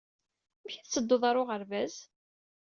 Amek ay tetteddud ɣer uɣerbaz?